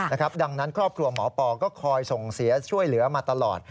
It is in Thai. ดังนั้นครอบครัวหมอปอก็คอยส่งเสียช่วยเหลือมาตลอด